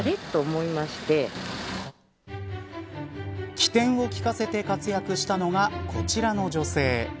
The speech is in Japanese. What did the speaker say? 機転を利かせて活躍したのがこちらの女性。